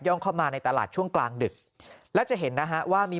เข้ามาในตลาดช่วงกลางดึกและจะเห็นนะฮะว่ามี